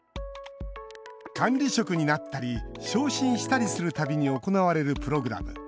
管理職になったり昇進したりする度に行われるプログラム。